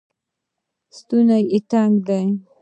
ستونی یې تنګ دی